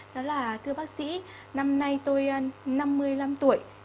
đó là thưa bác sĩ năm nay tôi năm mươi năm tuổi